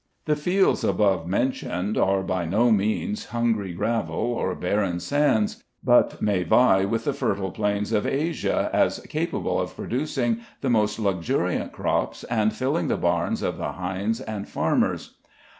"The fields above mentioned are by no means hungry gravel or barren sands, but may vie with the fertile plains of Asia, as capable of producing the most luxuriant crops and filling the barns of the hinds and farmers.